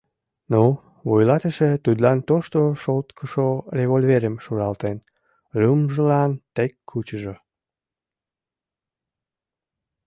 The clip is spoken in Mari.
Ну, вуйлатыше тудлан тошто шолткышо револьверым шуралтен: лӱмжылан тек кучыжо.